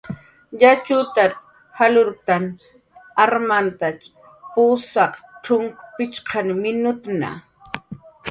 Yatxutar jalurktn armant pusaq cxunk pichqani minutu.